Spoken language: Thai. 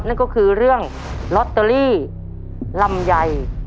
นั่นก็คือเรื่องลอตเตอรี่ลำไย